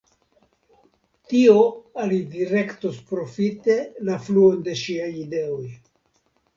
Tio alidirektos profite la fluon de ŝiaj ideoj.